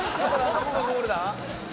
どこがゴールだ？